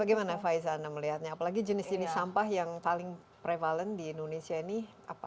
bagaimana faiza anda melihatnya apalagi jenis jenis sampah yang paling prevalent di indonesia ini apa